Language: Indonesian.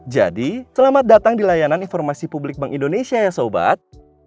jadi selamat datang di layanan informasi publik bank indonesia ya sobat